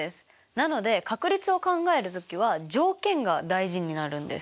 なので確率を考える時は条件が大事になるんです。